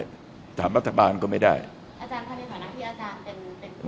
อเจมส์อาจารย์ถ้าในตอนนั้นที่อาจารย์เป็นคุณความรู้